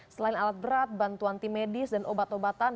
selain alat berat bantuan tim medis dan obat obatan